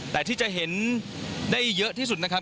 แต่ที่จะเห็นได้เยอะที่สุดนะครับ